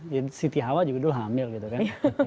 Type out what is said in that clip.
jadi si ti hawa juga dulu hamil gitu kan